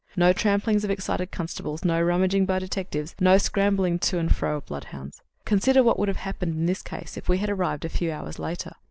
No tramplings of excited constables, no rummaging by detectives, no scrambling to and fro of bloodhounds. Consider what would have happened in this case if we had arrived a few hours later.